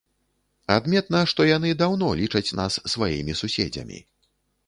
Адметна, што яны даўно лічаць нас сваімі суседзямі.